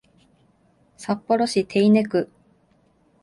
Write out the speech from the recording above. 札幌市手稲区